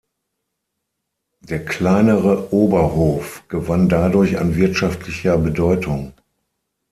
Der kleinere Oberhof gewann dadurch an wirtschaftlicher Bedeutung.